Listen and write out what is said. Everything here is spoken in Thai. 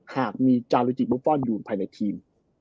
หากมีจารุจิบุฟฟอลอยู่ภายในทีม